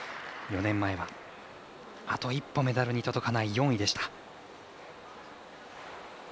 ４年前はあと一歩メダルに届かない４位でした。